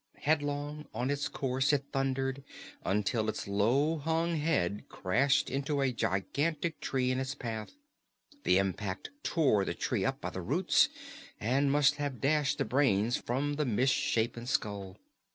Headlong on its course it thundered until its low hung head crashed into a gigantic tree in its path. The impact tore the tree up by the roots and must have dashed the brains from the misshapen skull.